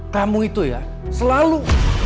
kamu itu ya selalu